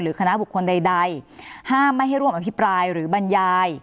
คณะบุคคลใดห้ามไม่ให้ร่วมอภิปรายหรือบรรยาย